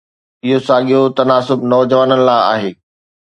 اهو ساڳيو تناسب "نوجوانن" لاء آهي.